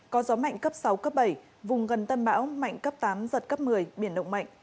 có gió mạnh cấp sáu cấp bảy vùng gần tâm bão mạnh cấp tám giật cấp một mươi biển động mạnh